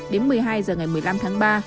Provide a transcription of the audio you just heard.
đến một mươi hai h ngày một mươi năm tháng ba